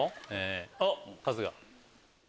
おっ春日。